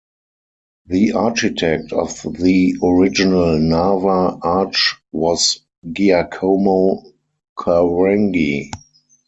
The architect of the original Narva Arch was Giacomo Quarenghi.